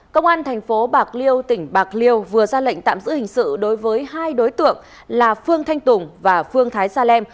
công an thành phố bạc liêu tỉnh bạc liêu vừa ra lệnh tạm giữ hình sự đối với hai đối tượng là phương thanh tùng và phương thái sa lem